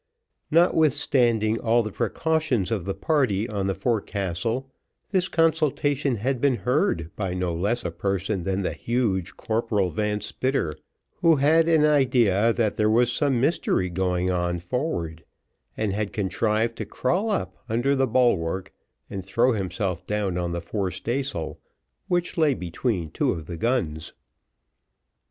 Notwithstanding all the precautions of the party on the forecastle, this consultation had been heard by no less a person than the huge Corporal Van Spitter, who had an idea that there was some mystery going on forward, and had contrived to crawl up under the bulwark, and throw himself down on the forestaysail, which lay between two of the guns.